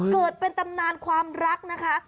เกิดเป็นตำนานความรักนะคะ